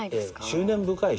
執念深い。